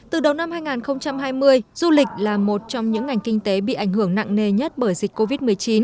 từ đầu năm hai nghìn hai mươi du lịch là một trong những ngành kinh tế bị ảnh hưởng nặng nề nhất bởi dịch covid một mươi chín